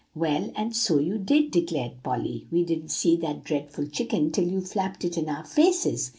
"Well, and so you did," declared Polly; "we didn't see that dreadful chicken till you flapped it in our faces.